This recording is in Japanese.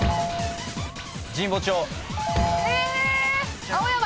神保町。